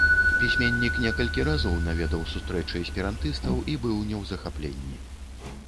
Пісьменнік некалькі разоў наведаў сустрэчы эсперантыстаў і быў не ў захапленні.